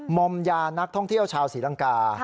มอมยานักท่องเที่ยวชาวศรีลังกา